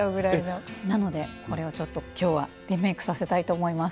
なのでこれをちょっと今日はリメイクさせたいと思います。